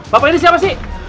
bapak ini siapa sih